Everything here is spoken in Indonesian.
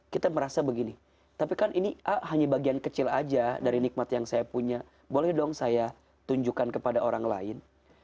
kita merasa begini tapi kan ini hanya bagian kecil aja dari nikmat yang saya punya boleh dong saya tunjukkan kepada orang lain